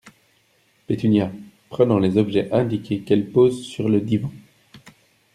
Pétunia , prenant les objets indiqués qu’elle pose sur le divan.